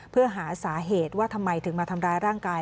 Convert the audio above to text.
เพื่อหาสาเหตุว่าทำไมถึงมาทำร้ายร่างกาย